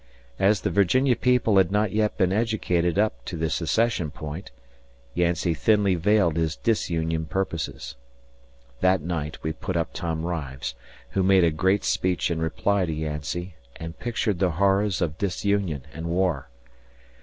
As the Virginia people had not yet been educated up to the secession point, Yancey thinly veiled his disunion purposes. That night we put up Tim Rives, who made a great speech in reply to Yancey and pictured the horrors of disunion and war.